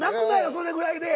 それぐらいで。